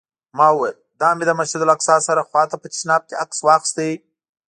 ما وویل: دا مې د مسجداالاقصی سره خوا ته په تشناب کې عکس واخیست.